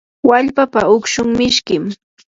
wallpapa ukshun mishkim.